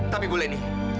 tapi boleh nih